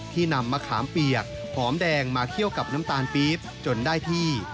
นำมะขามเปียกหอมแดงมาเคี่ยวกับน้ำตาลปี๊บจนได้ที่